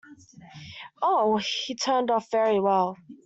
Oh, he turned it off very well.